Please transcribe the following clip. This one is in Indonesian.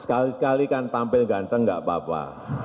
sekali sekali kan tampil ganteng gak apa apa